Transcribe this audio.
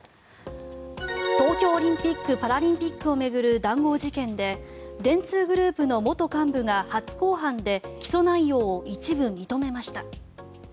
東京オリンピック・パラリンピックを巡る談合事件で電通グループの元幹部が初公判で起訴内容を一部認めました。